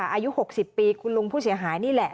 อายุ๖๐ปีคุณลุงผู้เสียหายนี่แหละ